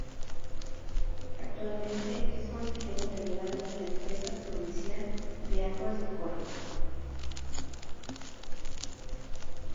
Actualmente es consejero delegado de la "Empresa Provincial de Aguas de Córdoba".